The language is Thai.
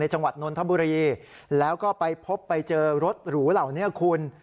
จังหวัดนนทบุรีแล้วก็ไปพบไปเจอรถหรูเหล่านี้คุณ